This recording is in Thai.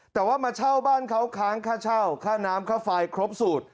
แต่ว่ามาเช่าบ้านเขาค้างค่าเช่าค่าน้ำค่าไฟครบสูตร